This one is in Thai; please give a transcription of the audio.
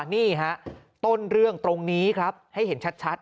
นี่ฮะต้นเรื่องตรงนี้ครับให้เห็นชัด